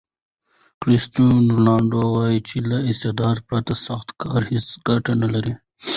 کرسټیانو رونالډو وایي چې له استعداد پرته سخت کار هیڅ ګټه نلري.